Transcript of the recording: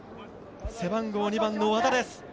背番号２番の和田です。